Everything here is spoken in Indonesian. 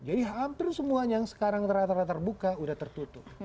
jadi hampir semua yang sekarang rata rata terbuka sudah tertutup